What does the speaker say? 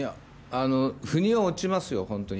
ふには落ちますよ、本当に。